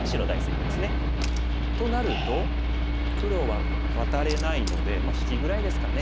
となると黒はワタれないのでまあ引きぐらいですかね。